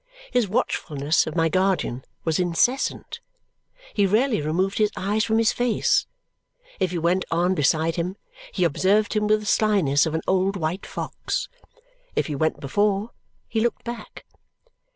His watchfulness of my guardian was incessant. He rarely removed his eyes from his face. If he went on beside him, he observed him with the slyness of an old white fox. If he went before, he looked back.